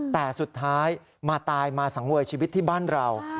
แต่สุดท้ายมาตายมาสังเวยชีวิตที่บ้านเรา